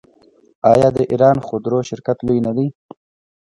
آیا د ایران خودرو شرکت لوی نه دی؟